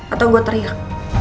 atau gue teriak